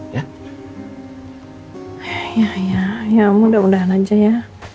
ya ya mudah mudahan lancar ya